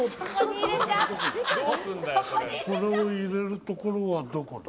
これを入れるところはどこだ？